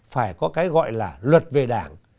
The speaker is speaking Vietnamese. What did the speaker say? phải có cái gọi là luật về đảng